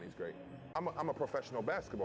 apakah anda diperlukan untuk menjelaskan saya